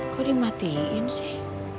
kok dimatiin sih